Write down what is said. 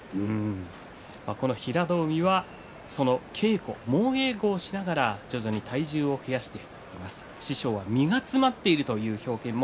平戸海は猛稽古をしながら徐々に体重を増やしています。